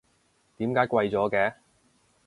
點解貴咗嘅？